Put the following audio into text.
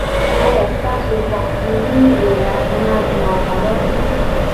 ایا ستاسو تحصیلي اسناد معتبر دي؟